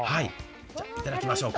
いただきましょうか。